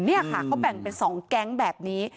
นี่ค่ะเขาแบ่งเป็น๒แก๊งแบบนี้